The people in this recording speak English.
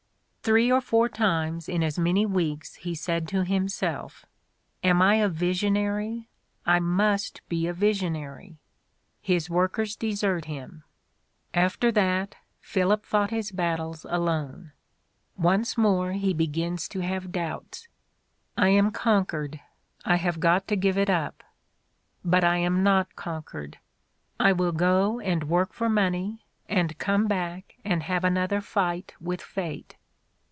"Three or four times in as many weeks he said to himself: 'Am I a visionary? I must be a visionary!' " His workers desert him: "after that, Philip fought his bat tle alone. '' Once more he begins to have doubts :" I am conquered. ... I have got to give it up. ... But I am not conquered. I will go and work for money, and come back and have another fight with fate.